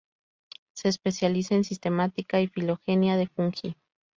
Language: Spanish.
Se especializa en sistemática y filogenia de fungi.